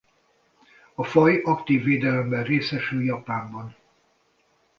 A faj aktív védelemben részesül Japánban.